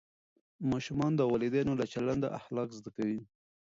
ماشومان د والدینو له چلنده اخلاق زده کوي.